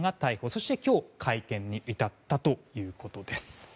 そして今日会見に至ったということです。